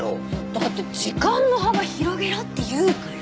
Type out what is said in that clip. だって時間の幅広げろって言うから。